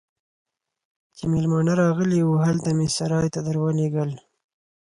چې مېلمانه راغلي وو، هلته مې سرای ته درولږل.